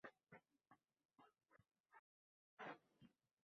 bu yozuvchimi, demak, u yaxshi odam bo‘lishi kerak.